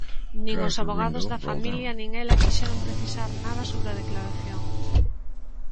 Nin os avogados da familia nin ela quixeron precisar nada sobre a declaración.